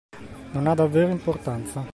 Non ha davvero importanza.